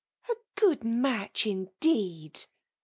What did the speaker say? ' A good match, indeed